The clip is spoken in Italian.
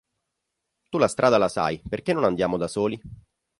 Tu la strada la sai, perché non andiamo da soli?